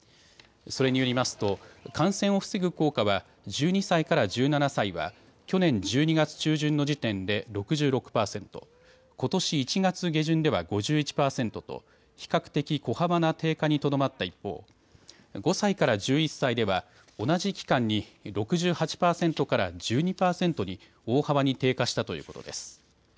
それによりますと感染を防ぐ効果は１２歳から１７歳は去年１２月中旬の時点で６６％、ことし１月下旬では５１％と比較的小幅な低下にとどまった一方、５歳から１１歳では同じ期間に６８％から１２％に大幅に低下したということです。